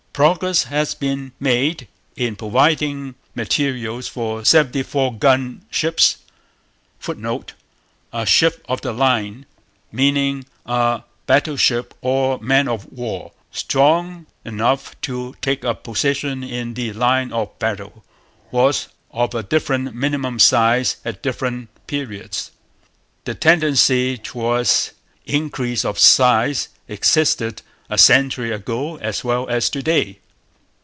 Progress has been made in providing materials for 74 gun ships.' [Footnote: A ship of the line, meaning a battleship or man of war strong enough to take a position in the line of battle, was of a different minimum size at different periods. The tendency towards increase of size existed a century ago as well as to day.